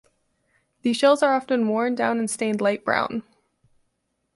The shells are often worn down and stained light brown.